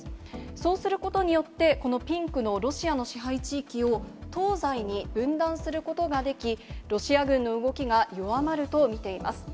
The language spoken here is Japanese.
そうすることによって、このピンクのロシアの支配地域を東西に分断することができ、ロシア軍の動きが弱まると見ています。